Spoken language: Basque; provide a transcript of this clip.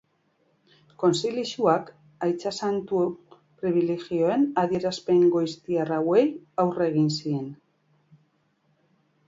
Kontzilioak, aita santu pribilegioen adierazpen goiztiar hauei aurre egin zien.